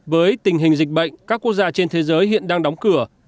với tình hình dịch bệnh các quốc gia trên thế giới hiện đang đóng cửa